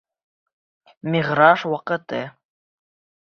Миғраж ваҡыты.